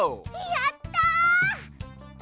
やった！